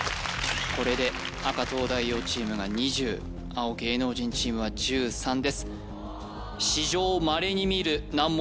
これで赤・東大王チームが２０青・芸能人チームは１３です史上まれに見る難問